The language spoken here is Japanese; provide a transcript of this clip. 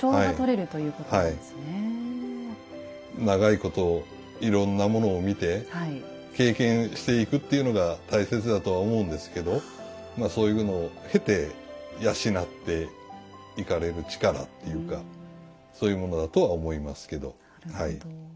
長いこといろんなものを見て経験していくっていうのが大切だとは思うんですけどそういうものを経て養っていかれる力っていうかそういうものだとは思いますけどはい。